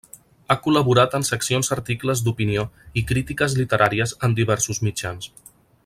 Ha col·laborat en seccions articles d'opinió i crítiques literàries en diversos mitjans.